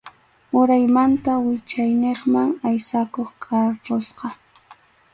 Uraymanta wichayniqman aysakuq tarpusqa.